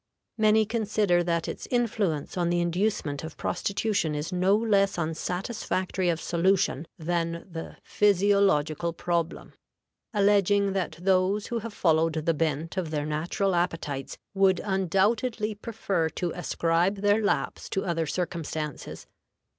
Many consider that its influence on the inducement of prostitution is no less unsatisfactory of solution than the physiological problem, alleging that those who have followed the bent of their natural appetites would undoubtedly prefer to ascribe their lapse to other circumstances.